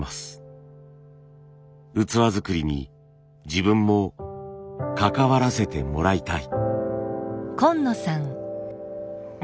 「器作りに自分も関わらせてもらいたい」。